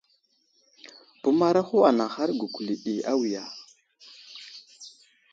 Bəmaraho anaŋhar gukuli ɗi awiya.